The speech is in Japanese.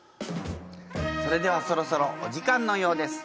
それではそろそろお時間のようです。